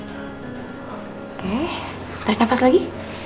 oke tarik nafas lagi